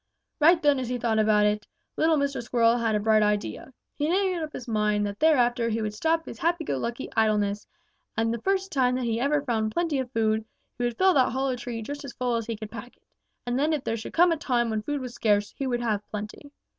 "Right then as he thought about it, little Mr. Squirrel had a bright idea. He made up his mind that thereafter he would stop his happy go lucky idleness, and the first time that ever he found plenty of food, he would fill that hollow tree just as full as he could pack it, and then if there should come a time when food was scarce, he would have plenty.